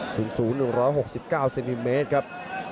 สูง๑๖๙เซนติเมตรครับ